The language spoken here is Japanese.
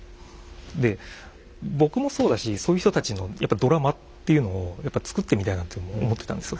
で僕もそうだしそういう人たちのやっぱドラマっていうのをやっぱ作ってみたいなって思ってたんですよ。